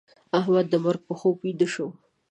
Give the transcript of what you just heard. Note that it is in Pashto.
احمد د مرګ په خوب ويده شو.